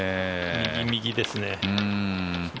右、右ですね。